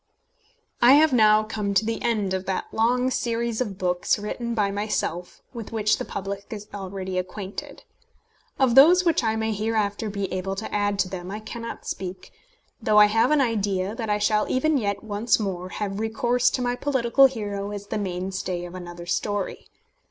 I have now come to the end of that long series of books written by myself, with which the public is already acquainted. Of those which I may hereafter be able to add to them I cannot speak; though I have an idea that I shall even yet once more have recourse to my political hero as the mainstay of another story.